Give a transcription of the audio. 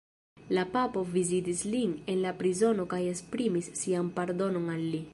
La papo vizitis lin en la prizono kaj esprimis sian pardonon al li.